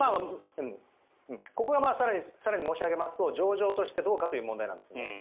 ここは更に申し上げますと情状としてどうかという問題なんですね。